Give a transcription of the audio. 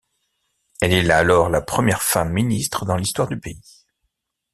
Elle est alors la première femme ministre dans l'histoire du pays.